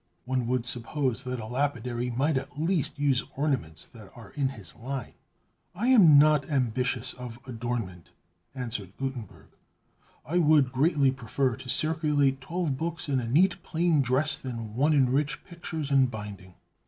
One would suppose that a lapidary might at least use ornaments that are in his line!" "I am not ambitious of adornment," answered Gutenberg. "I would greatly prefer to circulate twelve books in a neat plain dress than one in rich pictures and binding.